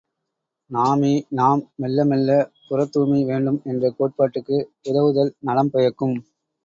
நாமே நாம் மெல்ல மெல்லப் புறத்தூய்மை வேண்டும் என்ற கோட்பாட்டுக்கு உதவுவதல் நலம் பயக்கும்.